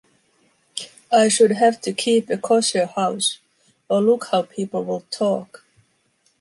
I should have to keep a kosher house, or look how people would talk.